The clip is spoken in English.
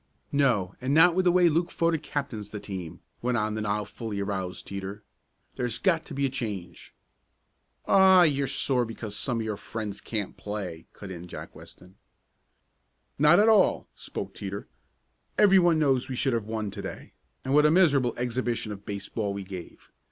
"No, and not with the way Luke Fodick captains the team," went on the now fully aroused Teeter. "There's got to be a change." "Aw, you're sore because some of your friends can't play!" cut in Jake Weston. "Not at all," spoke Teeter. "Everyone knows we should have won to day, and what a miserable exhibition of baseball we gave!